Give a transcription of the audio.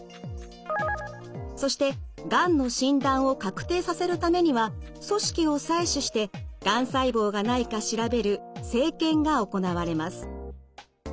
そしてがんの診断を確定させるためには組織を採取してがん細胞がないか調べる生検が行われます。